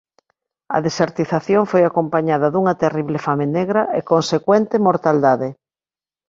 A desertización foi acompañada dunha terrible fame negra e consecuente mortaldade.